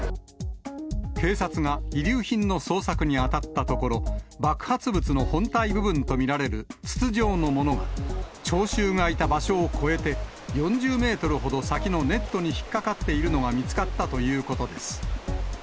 警察が遺留品の捜索に当たったところ、爆発物の本体部分と見られる筒状のものが、聴衆がいた場所を越えて、４０メートルほど先のネットに引っ掛かっているのが見つかったということです。